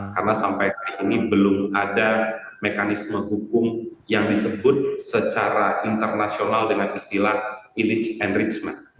karena sampai kali ini belum ada mekanisme hukum yang disebut secara internasional dengan istilah village enrichment